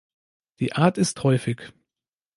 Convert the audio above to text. Die Art ist häufig.